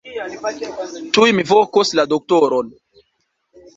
Tuj mi vokos la doktoron.